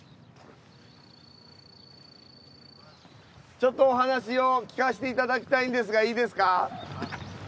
ちょっとお話を聞かせていただきたいんですがいいですか？